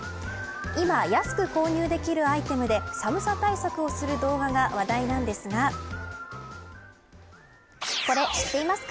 今、安く購入できるアイテムで寒さ対策をする動画が話題なのですがこれ知っていますか。